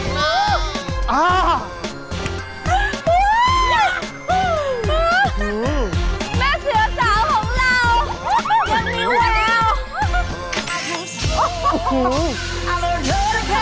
แม่เสือสาวหงล่าโอ้